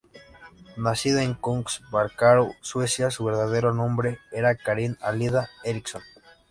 Nacida en Kungs-Barkarö, Suecia, su verdadero nombre era Karin Alida Eriksson.